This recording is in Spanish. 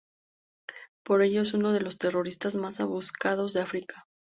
Por ello es uno de los terroristas más buscados de África.